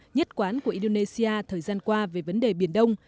nhất quán của indonesia thời gian qua về vấn đề biển đông